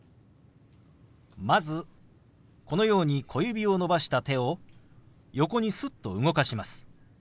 まずこのように小指を伸ばした手を横にすっと動かします。